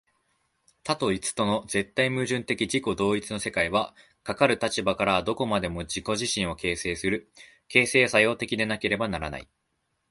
多と一との絶対矛盾的自己同一の世界は、かかる立場からはどこまでも自己自身を形成する、形成作用的でなければならない。